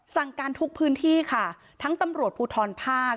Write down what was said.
สั่งการทุกพื้นที่ค่ะทั้งตำรวจภูทรภาค